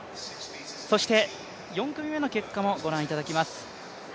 そして、４組目の結果もご覧いただきます。